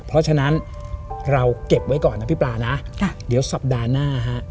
เพราะฉะนั้นเราเก็บไว้ก่อนนะพี่ปลานะเดี๋ยวสัปดาห์หน้าฮะ